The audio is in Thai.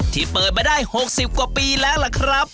ที่เปิดมาได้๖๐กว่าปีแล้วล่ะครับ